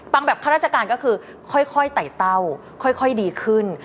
แบบข้าราชการก็คือค่อยไต่เต้าค่อยดีขึ้น